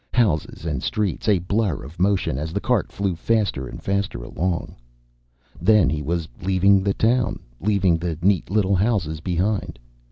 Houses and streets, a blur of motion, as the cart flew faster and faster along. Then he was leaving the town, leaving the neat little houses behind.